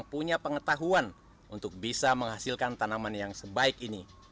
punya pengetahuan untuk bisa menghasilkan tanaman yang sebaik ini